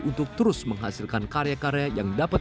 untuk terus menghasilkan karya karya yang dapat